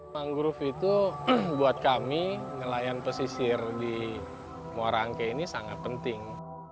mangrove itu buat kami nelayan pesisir di muara angke ini sangat penting